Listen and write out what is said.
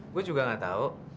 gue juga gak tau